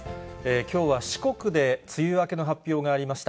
きょうは四国で梅雨明けの発表がありました。